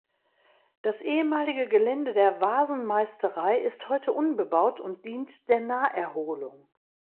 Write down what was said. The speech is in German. Das ehemalige Gelände der Wasenmeisterei ist heute unbebaut und dient der Naherholung.